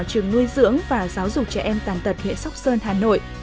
trường nuôi dưỡng và giáo dục trẻ em tàn tật huyện sóc sơn hà nội